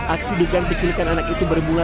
aksi digang kecilkan anak itu bermula